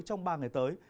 trong ba ngày tới